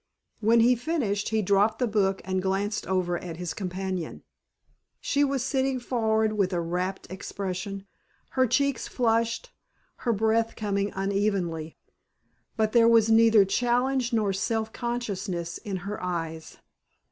When he finished he dropped the book and glanced over at his companion. She was sitting forward with a rapt expression, her cheeks flushed, her breath coming unevenly. But there was neither challenge nor self consciousness in her eyes.